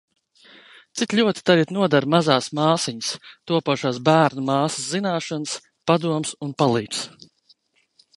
Cik ļoti tagad noder mazās māsiņas, topošās bērnu māsas zināšanas, padoms un palīgs.